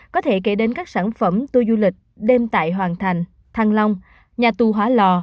có thể kể đến các sản phẩm tour du lịch đêm tại hoàng thành thăng long nhà tù hóa lò